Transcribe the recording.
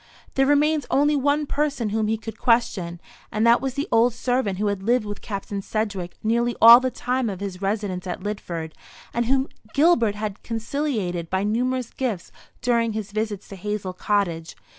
There remained only one person whom he could question, and that was the old servant who had lived with Captain Sedgewick nearly all the time of his residence at Lidford, and whom Gilbert had conciliated by numerous gifts during his visits to Hazel Cottage.